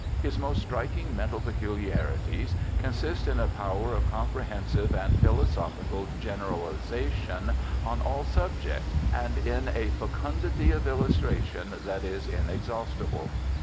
His most striking mental peculiarities consist in a power of comprehensive and philosophical generalization on all subjects, and in a fecundity of illustration that is inexhaustible.